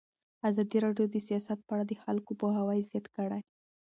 ازادي راډیو د سیاست په اړه د خلکو پوهاوی زیات کړی.